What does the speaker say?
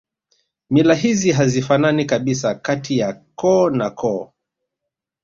Mila hizi hazifanani kabisa kati ya koo na koo